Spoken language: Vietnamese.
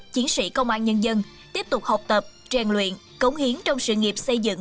chiến sĩ công an nhân dân tiếp tục học tập trang luyện cống hiến trong sự nghiệp xây dựng